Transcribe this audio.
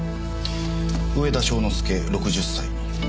「上田庄之助６０歳」。